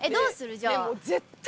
じゃあ。